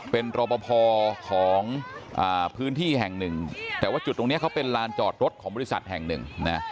เป็นรอปภของพื้นที่แห่งหนึ่งแต่ว่าจุดตรงนี้เขาเป็นลานจอดรถของบริษัทแห่งหนึ่งนะ